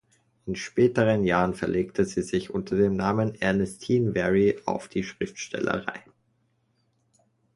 In späteren Jahren verlegte sie sich unter dem Namen „Ernestine Wery“ auf die Schriftstellerei.